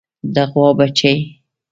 د غوا بچۍ